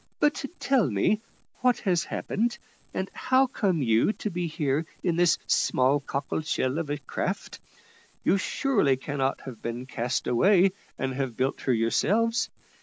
But, tell me, what has happened, and how come you to be here in this small cockle shell of a craft? You surely cannot have been cast away, and have built her yourselves.